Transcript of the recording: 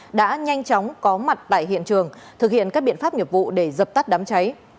đã nhanh chóng có mặt tại hiện trường thực hiện các biện pháp nghiệp vụ để dập tắt đám cháy